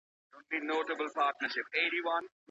زده کړه باید د ژوند د ستونزو د حل وړتیا پیدا کړي.